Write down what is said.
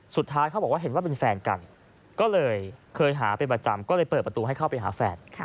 เขาบอกว่าเห็นว่าเป็นแฟนกันก็เลยเคยหาเป็นประจำก็เลยเปิดประตูให้เข้าไปหาแฟน